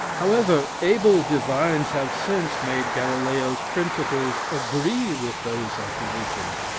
However, able divines have since made Galileo's principles agree with those of religion.